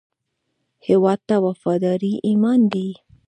هیواد ته وفاداري ایمان دی